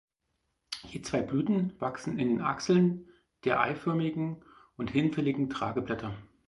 Je zwei Blüten wachsen in den Achseln der eiförmigen und hinfälligen Tragblätter.